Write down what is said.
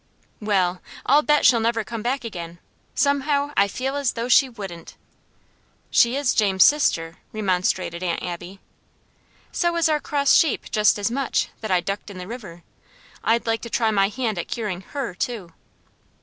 "Well, I'll bet she'll never come back again; somehow, I feel as though she wouldn't." "She is James's sister," remonstrated Aunt Abby. "So is our cross sheep just as much, that I ducked in the river; I'd like to try my hand at curing HER too."